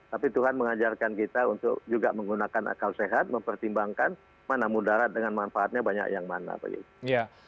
tapi tuhan mengajarkan kita untuk juga menggunakan akal sehat mempertimbangkan mana mudarat dengan manfaatnya banyak yang mana